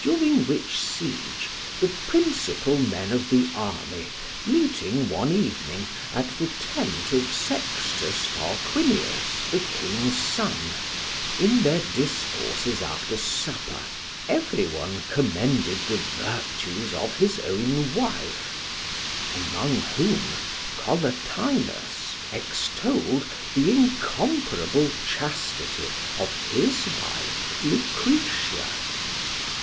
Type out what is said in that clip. During which siege the principal men of the army meeting one evening at the tent of Sextus Tarquinius, the king's son, in their discourses after supper every one commended the virtues of his own wife; among whom Collatinus extolled the incomparable chastity of his wife Lucretia.